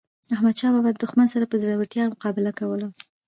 احمد شاه بابا د دښمن سره په زړورتیا مقابله کوله.